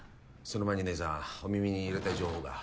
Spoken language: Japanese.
その前に姐さんお耳に入れたい情報が。